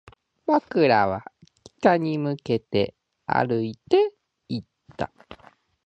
僕らは北に向けて歩いていった